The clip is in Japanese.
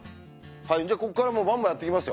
じゃあこっからもうバンバンやっていきますよ。